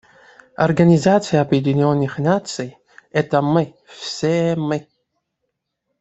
Организация Объединенных Наций — это мы, все мы.